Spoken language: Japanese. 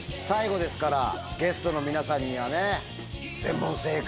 最後ですからゲストの皆さんにはね。と思います。